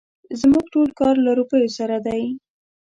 زموږ ټول کار له روپيو سره دی.